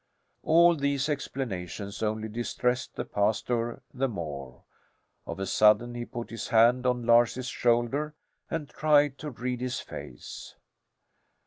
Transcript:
All these explanations only distressed the pastor the more. Of a sudden he put his hand on Lars's shoulder and tried to read his face.